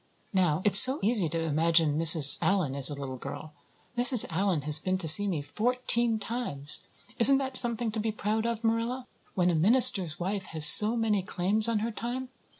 Now, it's so easy to imagine Mrs. Allan as a little girl. Mrs. Allan has been to see me fourteen times. Isn't that something to be proud of, Marilla? When a minister's wife has so many claims on her time!